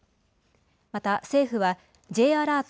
また、政府はＪアラート